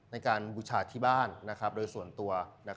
บูชาที่บ้านโดยส่วนตัว